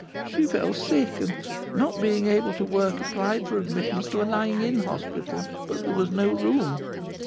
She fell sick, and, not being able to work, applied for admittance to a lying in hospital, but there was no room.